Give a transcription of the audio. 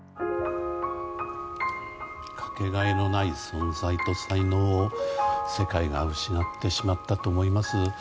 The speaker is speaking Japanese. かけがえのない存在と才能を世界が失ってしまったと思います。